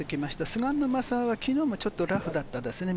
菅沼さんは昨日もちょっとラフだったですね。